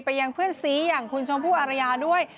ยังเพื่อนสีอย่างคุณชมพู่อารยาด้วย